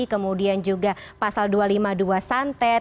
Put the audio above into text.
kemudian juga pasal dua ratus lima puluh dua santet